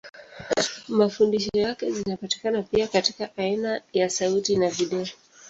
Mafundisho yake zinapatikana pia katika aina ya sauti na video.